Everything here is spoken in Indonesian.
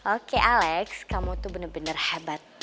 oke alex kamu tuh bener bener hebat